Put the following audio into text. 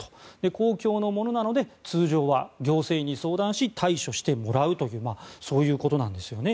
公共のものなので通常は行政に相談して対処してもらうというそういうことなんですよね。